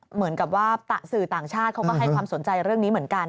เหมือนกับว่าสื่อต่างชาติเขาก็ให้ความสนใจเรื่องนี้เหมือนกัน